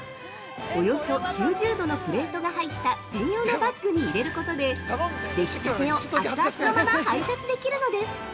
およそ９０度のプレートが入った専用のバックに入れることでできたてを熱々のまま配達できるのです。